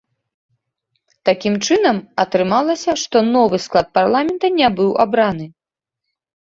Такім чынам, атрымалася, што новы склад парламента не быў абраны.